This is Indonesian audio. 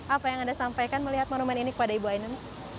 apa yang anda sampaikan melihat monumen ini kepada ibu ainun